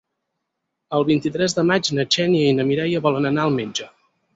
El vint-i-tres de maig na Xènia i na Mireia volen anar al metge.